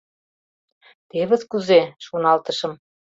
«Тевыс кузе?! — шоналтышым.